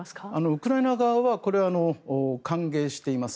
ウクライナ側は歓迎しています。